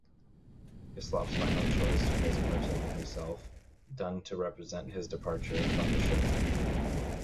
Hislop's final choice was Merton himself, done to represent his departure from the show.